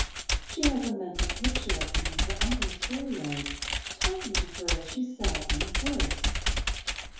She has a mental picture of him in her uncle's dooryard, talking to her as she sat on a horse.